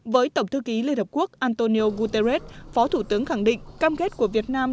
với tổng thư ký liên hợp quốc antonio guterres phó thủ tướng khẳng định cam kết của việt nam